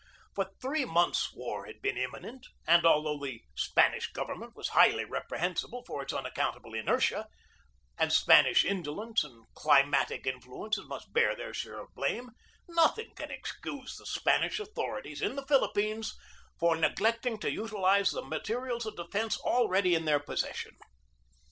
For three months war had been imminent, and al though the Spanish government was highly repre hensible for its unaccountable inertia, and Spanish indolence and climatic influences must bear their share of blame, nothing can excuse the Spanish au thorities in the Philippines for neglecting to utilize the materials of defence already in their possession.